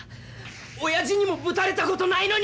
親父にもぶたれた事ないのに！